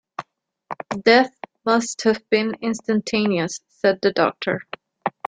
"Death must have been instantaneous," said the doctor.